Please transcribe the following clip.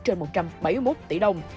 trên một trăm bảy mươi một tỷ đồng